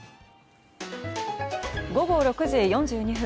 午後６時４２分。